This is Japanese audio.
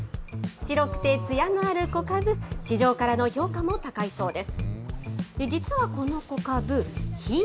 白くてつやのある小かぶ、市場からの評価も高いそうです。